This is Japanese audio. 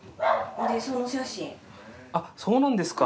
そうなんですか。